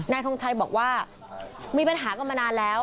ทงชัยบอกว่ามีปัญหากันมานานแล้ว